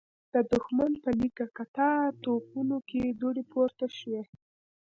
د دښمن په ليکه کتار توپونو کې دوړې پورته شوې.